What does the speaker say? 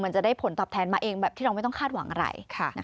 มันจะได้ผลตอบแทนมาเองแบบที่เราไม่ต้องคาดหวังอะไร